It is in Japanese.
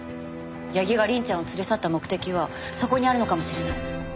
矢木が凛ちゃんを連れ去った目的はそこにあるのかもしれない。